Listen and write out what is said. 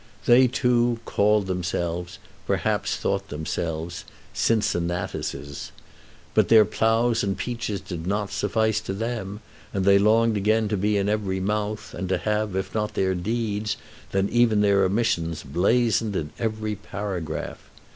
They, too, called themselves, perhaps thought themselves, Cincinnatuses. But their ploughs and peaches did not suffice to them, and they longed again to be in every mouth, and to have, if not their deeds, then even their omissions blazoned in every paragraph.